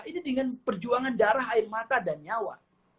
ini dengan perjuangan darah air mata dan nyawa